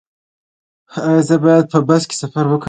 ایا زه باید په بس کې سفر وکړم؟